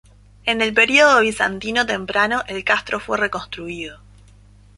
En el período bizantino temprano el castro fue reconstruido.